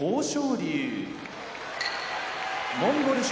龍モンゴル出身